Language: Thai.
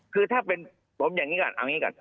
คือถ้าเป็นผมอย่างนี้ก่อนเอางี้ก่อน